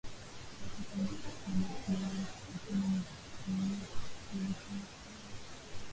basi kama unazifahamu lakini ni waoga hawajui kujitetea aa ni naona